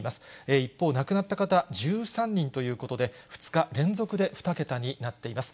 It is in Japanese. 一方、亡くなった方１３人ということで、２日連続で２桁になっています。